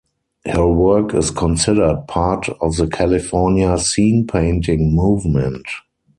Her work is considered part of the California Scene Painting movement.